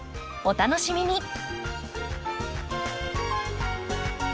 お楽しみに！